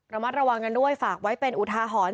ระมัดระวังกันด้วยฝากไว้เป็นอุทาหรณ์